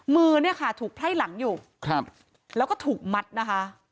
มือเนี่ยค่ะถูกไพ่หลังอยู่ครับแล้วก็ถูกมัดนะคะ